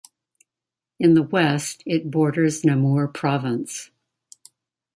In the west it borders Namur Province.